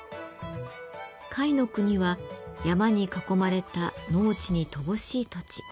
甲斐国は山に囲まれた農地に乏しい土地。